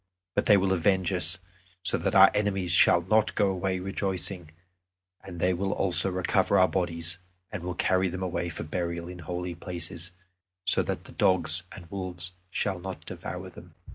But they will avenge us, so that our enemies shall not go away rejoicing. And they will also recover our bodies, and will carry them away for burial in holy places, so that the dogs and wolves shall not devour them."